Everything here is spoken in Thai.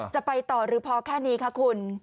จะไปต่อหรือพอแค่นี้คะคุณ